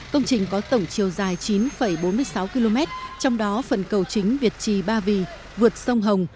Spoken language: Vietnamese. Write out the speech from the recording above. công trình có tổng chiều dài chín bốn mươi sáu km trong đó phần cầu chính việt trì ba vì vượt sông hồng